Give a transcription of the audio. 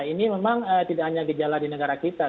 ini memang tidak hanya gejala di negara kita